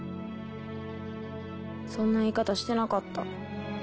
そんな言い方してなかった。